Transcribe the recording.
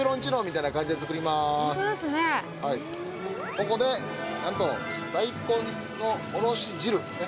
ここでなんと大根のおろし汁ね。